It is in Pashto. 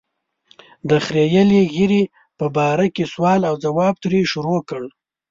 د خرییلې ږیرې په باره کې سوال او ځواب ترې شروع کړ.